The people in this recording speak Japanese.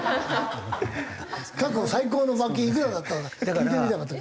過去最高の罰金いくらだったのか聞いてみたかった。